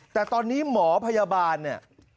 แต่ตอนนี้หมอพยาบาลเนี่ย